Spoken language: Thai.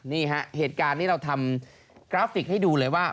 นี่ฮะเหตุการณ์นี้เราทำกราฟิกให้ดูเลยว่า